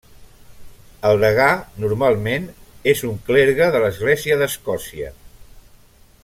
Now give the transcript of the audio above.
El Degà normalment és un clergue de l'Església d'Escòcia.